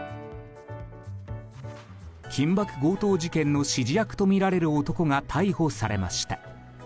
緊縛強盗事件の指示役とみられる男が逮捕されました。